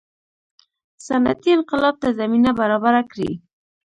صنعتي انقلاب ته زمینه برابره کړي.